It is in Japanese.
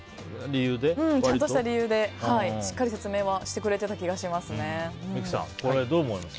ちゃんとした理由でしっかり説明はしてくれてた気がしますね。